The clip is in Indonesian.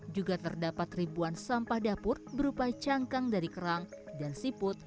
juga terdapat ribuan sampah dapur berupa cangkang dari kerang dan siput